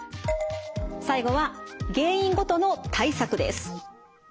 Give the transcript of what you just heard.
最後は原因ごとの対策です。